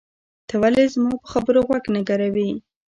ته ولې زما په خبرو غوږ نه ګروې؟